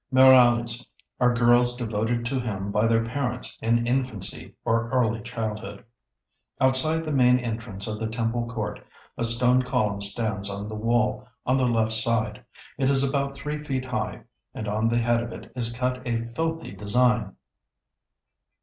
Muralis are girls devoted to him by their parents in infancy or early childhood. Outside the main entrance of the temple court, a stone column stands on the wall on the left side. It is about three feet high, and on the head of it is cut a filthy design.